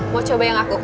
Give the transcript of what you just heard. mau coba yang aku